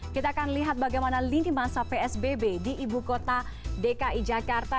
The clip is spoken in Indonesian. kita akan lihat bagaimana lini masa psbb di ibu kota dki jakarta